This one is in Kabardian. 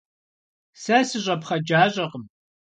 Сэ сыщӏэпхъэджащӏэкъым.